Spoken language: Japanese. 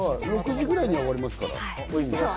６時ぐらいには終わりますから。